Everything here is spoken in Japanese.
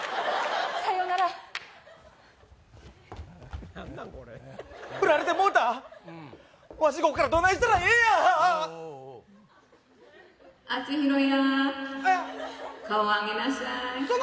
さようならふられてもうたわしこっからどないしたらええんや篤宏や顔を上げなさいえっ